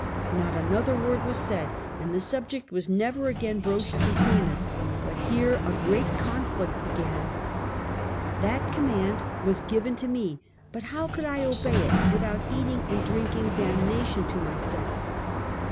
INot another word was said and the subject was never again broached between us, but here a great conflict began. That command was given to me, but how could I obey it without eating and drinking dam nation to myself?